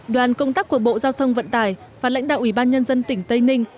đoàn công tác của bộ giao thông vận tải và lãnh đạo ủy ban nhân dân tỉnh tây ninh